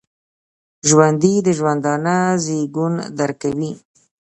ژوندي د ژوندانه زیږون درک کوي